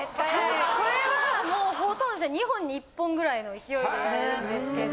これはもう２本に１本ぐらいの勢いでやるんですけど。